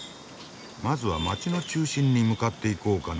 まずは街の中心に向かっていこうかな。